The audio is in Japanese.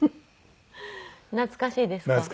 懐かしいですか？